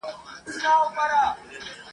هغه خوب مي ریشتیا کیږي چي تعبیر مي اورېدلی ..